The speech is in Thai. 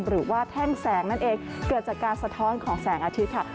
แท่งแสงนั่นเองเกิดจากการสะท้อนของแสงอาทิตย์ค่ะ